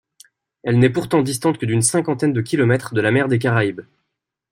Elle n'est pourtant distante que d'une cinquantaine de kilomètres de la mer des Caraïbes.